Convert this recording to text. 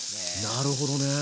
なるほどね。